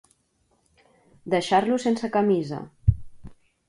Deixar-lo sense camisa.